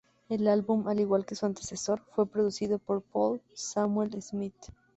El álbum, al igual que su antecesor, fue producido por Paul Samwell-Smith.